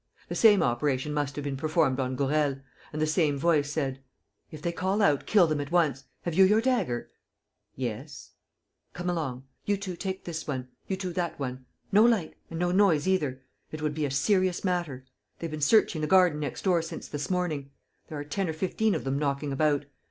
The same operation must have been performed on Gourel; and the same voice said: "If they call out, kill them at once. Have you your dagger?" "Yes." "Come along. You two, take this one ... you two, that one. ... No light ... and no noise either. ... It would be a serious matter. They've been searching the garden next door since this morning ... there are ten or fifteen of them knocking about.